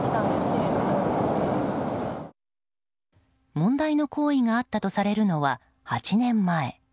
問題の行為があったとされるのは８年前。